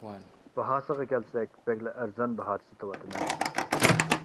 باھاسىغا كەلسەك بەكلا ئەرزان باھادا سېتىۋېتىمەن.